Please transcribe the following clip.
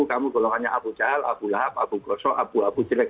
kamu golongannya abu jahl abu lahab abu gosho abu abu jilek